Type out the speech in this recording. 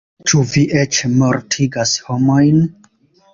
"Ĉu vi eĉ mortigas homojn?"